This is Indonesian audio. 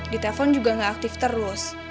ditelepon juga gak aktif terus